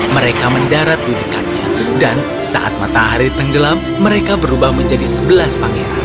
mereka mendarat di dekatnya dan saat matahari tenggelam mereka berubah menjadi sebelas pangeran